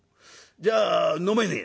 じゃあ『飲めねえ』」。